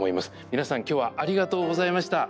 皆さん今日はありがとうございました。